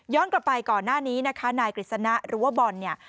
กลับไปก่อนหน้านี้นะคะนายกฤษณะหรือว่าบอลเนี่ย